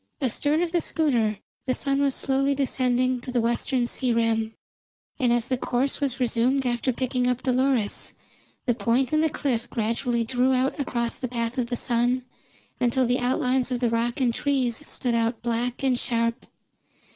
Astern of the schooner the sun was slowly descending to the western sea rim, and as the course was resumed after picking up Dolores, the Point and the cliff gradually drew out across the path of the sun, until the outlines of the rock and trees stood out black and sharp.